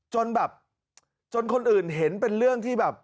จนแบบจนคนอื่นเห็นเป็นเรื่องที่แบบ